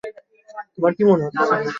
তোমার কী মনে হচ্ছে?